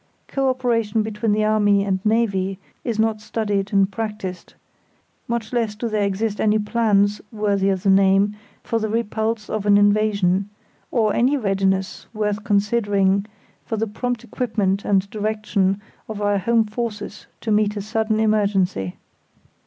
Co operation between the army and navy is not studied and practised; much less do there exist any plans, worthy of the name, for the repulse of an invasion, or any readiness worth considering for the prompt equipment and direction of our home forces to meet a sudden emergency.